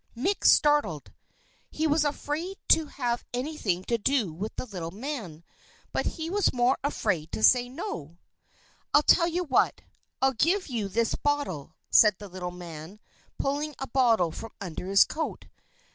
Mick started. He was afraid to have anything to do with the little man, but he was more afraid to say no. "I'll tell you what, I'll give you this bottle," said the little man, pulling a bottle from under his coat.